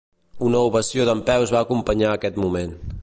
Una ovació dempeus va acompanyar aquest moment.